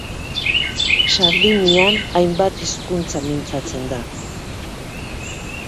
Sardinian hainbat hizkuntza mintzatzen da.